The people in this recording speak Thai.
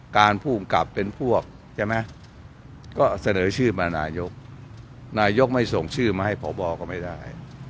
การพูดกับเป็นพวกเสนอชื่อมานายกนายกไม่ส่งชื่อมาให้ผอบอก็ไม่ได้